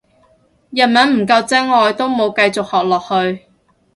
日文唔夠真愛都冇繼續學落去